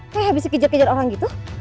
kayak habis kejar kejar orang gitu